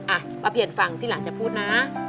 อะมาเปลี่ยนฝั่งที่หลังจะพูดนะ